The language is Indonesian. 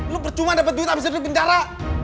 lu percuma dapet duit abis duduk penjara